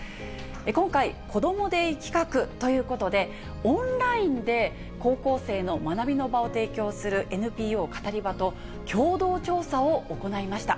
今回、こどもｄａｙ企画ということで、オンラインで高校生の学びの場を提供するＮＰＯカタリバと共同調査を行いました。